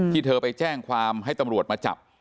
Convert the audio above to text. เธอไปแจ้งความให้ตำรวจมาจับ